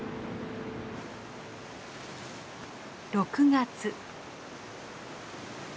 ６月。